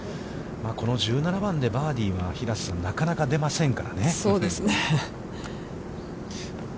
この１７番でバーディーは、平瀬さん、なかなか出ませんからね。